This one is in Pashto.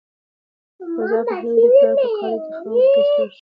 رضا پهلوي د پلار په قاره کې خاورو ته سپارل شوی.